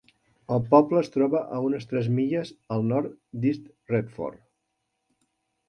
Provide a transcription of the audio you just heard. El poble es troba a unes tres milles al nord d'East Retford.